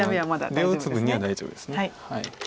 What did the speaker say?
出を打つ分には大丈夫です。